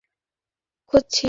দেখা গেলো আমরাই হচ্ছি খারাপ।